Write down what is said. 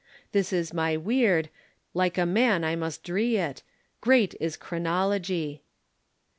This is my weird, like a man I must dree it, Great is chronology!